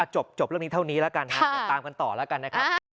จบเรื่องนี้เท่านี้แล้วกันเดี๋ยวตามกันต่อแล้วกันนะครับ